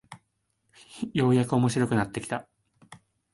ようやく面白くなってきた